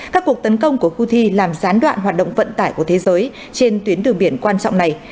các cuộc tấn công của houthi làm gián đoạn hoạt động vận tải của thế giới trên tuyến từ biển quan trọng này